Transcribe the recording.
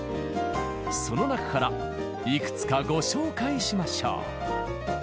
その中からいくつかご紹介しましょう！